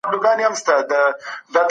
سټیفیلوکوکي التهاب رامنځته کوي.